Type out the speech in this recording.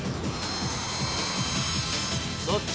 どっち？